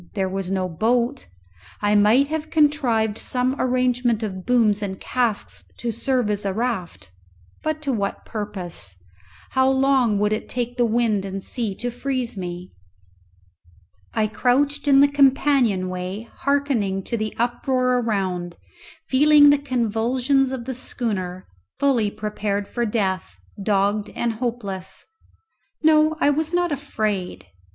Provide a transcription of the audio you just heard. There was no boat. I might have contrived some arrangement of booms and casks to serve as a raft, but to what purpose? How long would it take the wind and sea to freeze me? I crouched in the companion way hearkening to the uproar around, feeling the convulsions of the schooner, fully prepared for death, dogged and hopeless. No, I was not afraid.